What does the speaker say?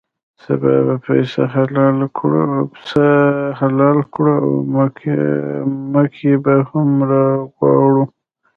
سبا به پسه حلال کړو او مکۍ به هم راوغواړو.